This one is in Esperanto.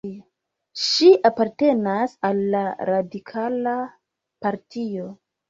Ŝi apartenas al la radikala partio.